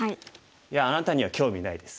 「いやあなたには興味ないです。